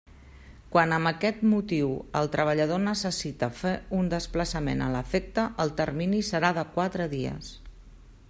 Quan amb aquest motiu el treballador necessite fer un desplaçament a l'efecte, el termini serà de quatre dies.